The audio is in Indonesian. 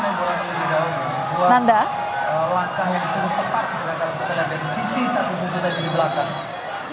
karena penampilanan kembing daunnya di kamping tenggara coverage juga menandakan sinsi tos atau unsur tadi di belakang